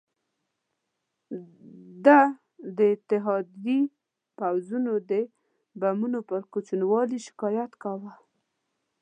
ده د اتحادي پوځونو د بمونو پر کوچني والي شکایت کاوه.